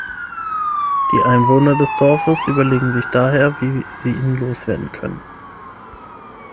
Die Einwohner des Dorfes überlegen sich daher, wie sie ihn loswerden können.